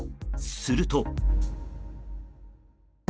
すると。